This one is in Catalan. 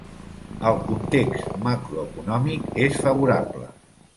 El context macroeconòmic és favorable.